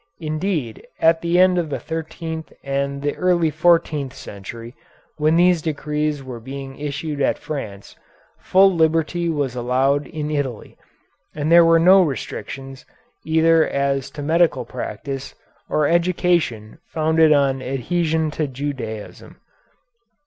Indeed at the end of the thirteenth and the early fourteenth century, when these decrees were being issued in France, full liberty was allowed in Italy, and there were no restrictions either as to medical practice or education founded on adhesion to Judaism.